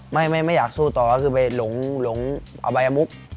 ไม่อยากสู้ต่อคือไปหลงอบรายมุพธ์